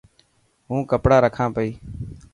هون ڪپڙا رکان پئي.